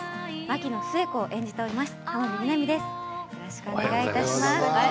槙野寿恵子を演じております。